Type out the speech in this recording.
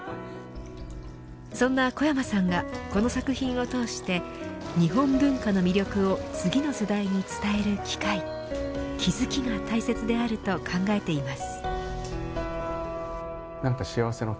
そんな小山さんがこの作品を通して日本文化の魅力を次の世代に伝える機会気付きが大切であると考えています。